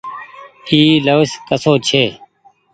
اي لڦز ڪسو ڇي۔